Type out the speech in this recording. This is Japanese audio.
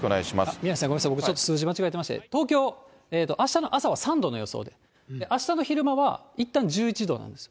宮根さん、ちょっと僕、数字間違えてまして、東京、あしたの朝は３度の予想で、あしたの昼間はいったん１１度なんですよ。